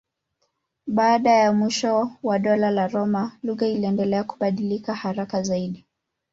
Baada ya mwisho wa Dola la Roma lugha iliendelea kubadilika haraka zaidi.